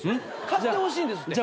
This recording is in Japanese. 買ってほしいんですって。